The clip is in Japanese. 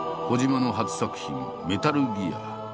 小島の初作品「メタルギア」。